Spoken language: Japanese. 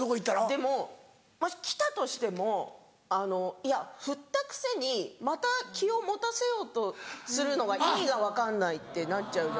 でも来たとしてもいやふったくせにまた気を持たせようとするのが意味が分かんないってなっちゃう。